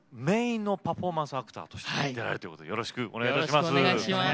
パフォーマンスアクターとして出られるということでよろしくお願いします。